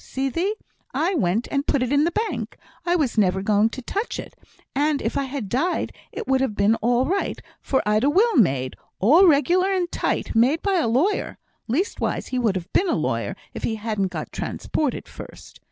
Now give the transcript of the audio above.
See thee! I went and put it i' th' bank. I was never going to touch it; and if I had died it would have been all right, for I'd a will made, all regular and tight made by a lawyer (leastways he would have been a lawyer, if he hadn't got transported first).